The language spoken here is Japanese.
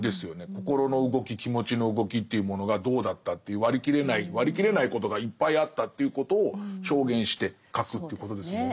心の動き気持ちの動きっていうものがどうだったっていう割り切れない割り切れないことがいっぱいあったっていうことを証言して書くということですものね。